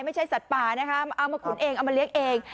ไม่ใช่สัตว์ป่านะคะเอามาขุนเองเอามาเลี้ยงเอง